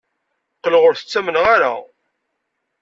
Qqleɣ ur t-ttamneɣ ara.